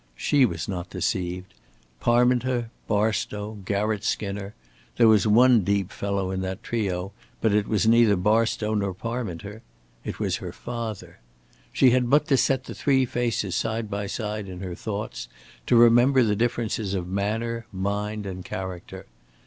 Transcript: She was not deceived. Parminter, Barstow, Garratt Skinner there was one "deep fellow" in that trio, but it was neither Barstow nor Parminter. It was her father. She had but to set the three faces side by side in her thoughts, to remember the differences of manner, mind and character.